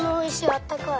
あったかい。